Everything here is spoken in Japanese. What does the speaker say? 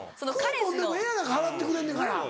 クーポンでもええやないか払ってくれんねんから。